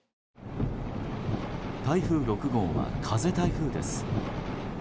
台風６号は風台風です。